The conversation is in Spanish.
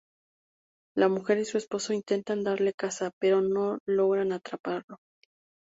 La mujer y su esposo intentan darle caza, pero no logran atraparlo.